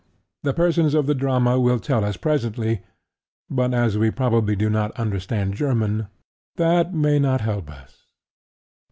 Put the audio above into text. The persons of the drama will tell us presently; but as we probably do not understand German, that may not help us.